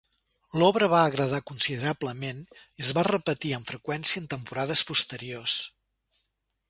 L'obra va agradar considerablement i es va repetir amb freqüència en temporades posteriors.